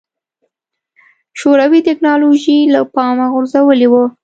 شوروي ټکنالوژي له پامه غورځولې وه.